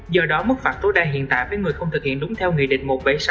do đó mức phạt tối đa hiện tại với người không thực hiện đúng theo nghị định một trăm bảy mươi sáu